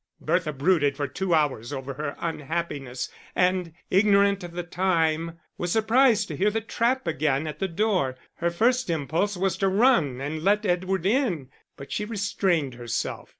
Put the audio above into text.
Bertha brooded for two hours over her unhappiness, and, ignorant of the time, was surprised to hear the trap again at the door; her first impulse was to run and let Edward in, but she restrained herself.